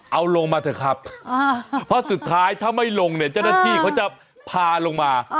เอาลงมาเถอะครับเพราะสุดท้ายถ้าไม่ลงเนี่ยเจ้าหน้าที่เขาจะพาลงมา